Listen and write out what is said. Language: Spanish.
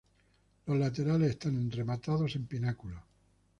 Los laterales están rematados en pináculos.